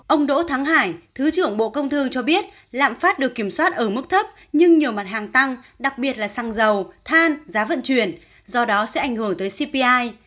ông đỗ thắng hải thứ trưởng bộ công thương cho biết lạm phát được kiểm soát ở mức thấp nhưng nhiều mặt hàng tăng đặc biệt là xăng dầu than giá vận chuyển do đó sẽ ảnh hưởng tới cpi